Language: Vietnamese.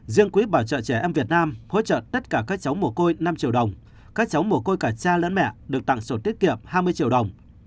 riêng quỹ bảo trợ trẻ em việt nam hỗ trợ tất cả các cháu mổ côi năm triệu đồng các cháu mổ côi cả cha lớn mẹ được tặng số tiết kiệm hai mươi triệu đồng